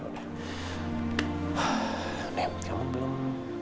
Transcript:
dem kamu belum